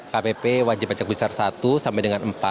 kpp wajib pajak besar satu sampai dengan empat